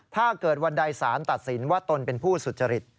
ถ้าเกิดวันใดสารตัดสินว่าตนเป็นผู้สุจริต